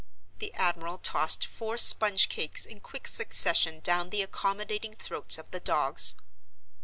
—The admiral tossed four sponge cakes in quick succession down the accommodating throats of the dogs.